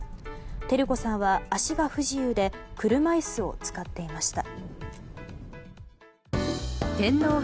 照子さんは足が不自由で車椅子を使っていました。